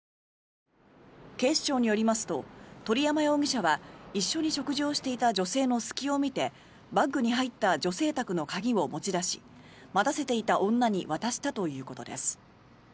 警視庁によりますと鳥山容疑者は一緒に食事をしていた女性の隙を見てバッグに入った女性宅の鍵を持ち出し待たせていた女に渡したということです。